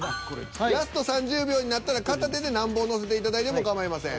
ラスト３０秒になったら片手で何本乗せていただいてもかまいません。